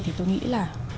thì tôi nghĩ là